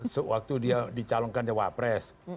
sewaktu dia dicalonkan cawa pres